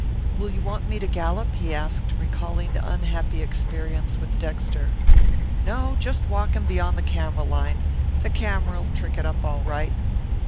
"Will you want me to gallop?" he asked, recalling the unhappy experience with Dexter. "No; just walk him beyond the camera line. The camera'll trick it up all right."